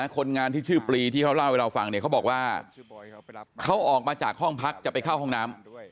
คนงานที่ชื่อปลีที่เขาเล่าให้เราฟังเนี่ยเขาบอกว่าเขาออกมาจากห้องพักจะไปเข้าห้องน้ำ